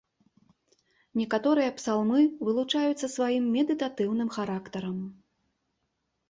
Некаторыя псалмы вылучаюцца сваім медытатыўным характарам.